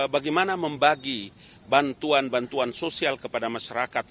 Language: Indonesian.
bagaimana membagi bantuan bantuan sosial kepada masyarakat